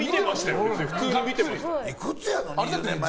いくつやの？